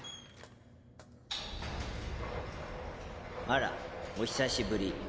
あらお久しぶり。